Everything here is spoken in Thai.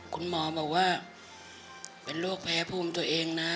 คุณหมอบอกว่าเป็นโรคแพ้ภูมิตัวเองนะ